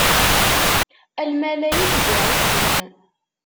A lmalayek d-iɛussen.